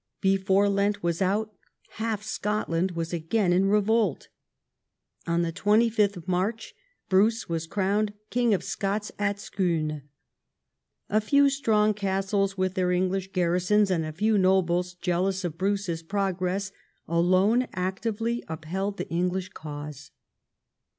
Before Lent was out, half Scotland was again in revolt. On 25th March Bruce was crowned King of Scots at Scone. A few strong castles with their English garrisons, and a few nobles jealous of Bruce's progress, alone actively upheld the English cause.